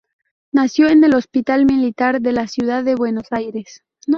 Nació en el Hospital Militar de la Ciudad de Buenos Aires.